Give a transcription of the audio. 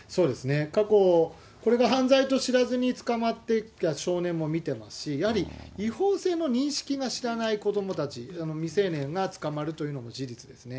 過去、これが犯罪として捕まっていった少年も見てますし、やはり違法性の認識が知らない子どもたち、未成年が捕まるということの事実ですね。